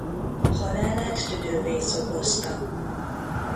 Halálát tüdővész okozta.